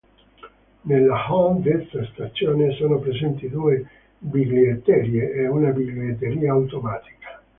Nella hall della stazione sono presenti due biglietterie e una biglietteria automatica.